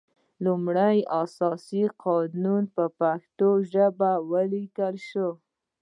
لومړنی اساسي قانون په پښتو ولیکل شول.